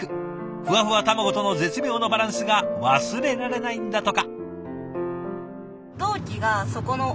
ふわふわ卵との絶妙のバランスが忘れられないんだとか。